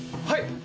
はい！